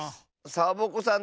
サボ子さん